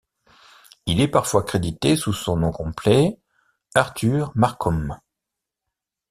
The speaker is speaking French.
Il est parfois crédité sous son nom complet Arthur Marcum.